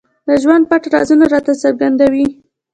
د ژوند پټ رازونه راته څرګندوي.